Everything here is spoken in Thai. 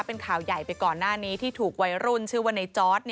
เป็นข่าวใหญ่ไปก่อนหน้านี้ที่ถูกวัยรุ่นชื่อว่าในจอร์ด